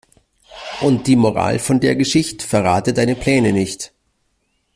Und die Moral von der Geschicht': Verrate deine Pläne nicht.